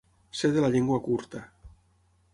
Ser de la llengua curta.